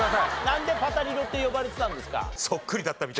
なんで「パタリロ」って呼ばれてたんですか？